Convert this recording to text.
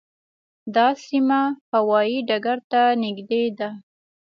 دا سیمه هوايي ډګر ته نږدې ده.